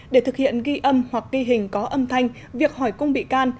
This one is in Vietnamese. để thực hiện ghi âm hoặc ghi hình có âm thanh việc hỏi cung bị can